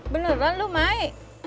beneran lu mai